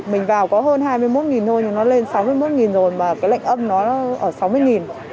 mình vào có hơn hai mươi một nghìn thôi nhưng nó lên sáu mươi một nghìn rồi mà cái lệnh âm nó ở sáu mươi nghìn